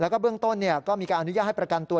แล้วก็เบื้องต้นก็มีการอนุญาตให้ประกันตัว